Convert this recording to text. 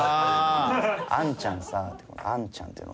「あんちゃん」